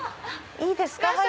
いいですか？